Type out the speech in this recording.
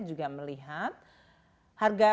juga melihat harga